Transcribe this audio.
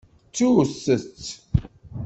Ttut-t.